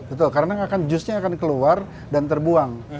betul karena akan jusnya akan keluar dan terbuang